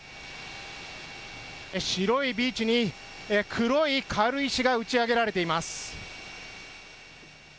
白いビーチに黒い軽石が打ち上げられています。